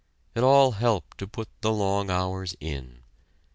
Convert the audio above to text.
It all helped to put the long hours in!